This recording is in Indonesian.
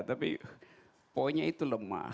tapi poinnya itu lemah